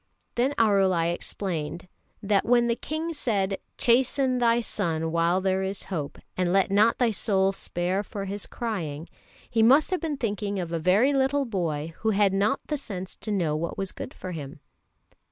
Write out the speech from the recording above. Then Arulai explained that when the King said, "Chasten thy son while there is hope, and let not thy soul spare for his crying," he must have been thinking of a very little boy who had not the sense to know what was good for him.